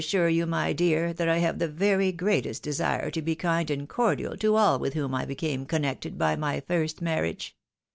sure you, my dear, that I have the very greatest desire to be kind and cordial to all with whom I became connected by my first marriage.